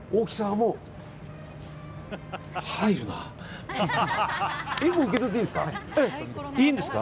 もう受け取っていいんですか？